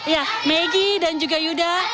ya maggie dan juga yuda